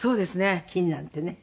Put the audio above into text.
金なんてね。